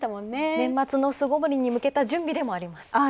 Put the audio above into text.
年末の巣ごもりに向けた準備でもあります。